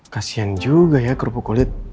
kasian juga ya kerupuk kulit